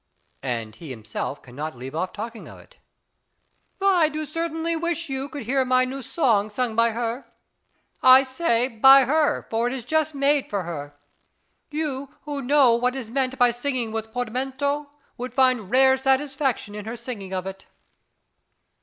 And he himself cannot leave off talking of it: I do certainly wish you could hear my new song sung by her; I say by her, for it is just made for her. You, who know what is meant by singing with portamento, would find rare satisfaction in her singing of it.